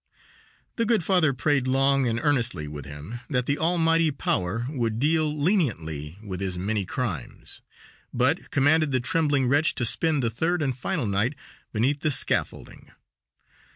The good father prayed long and earnestly with him, that the Almighty power would deal leniently with his many crimes, but commanded the trembling wretch to spend the third and final night beneath the scaffolding.